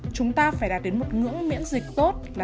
chúng ta phải đạt đến một ngưỡng miễn dịch tốt là tám mươi